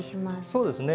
そうですね。